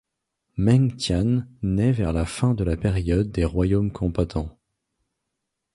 Meng Tian naît vers la fin de la période des Royaumes combattants.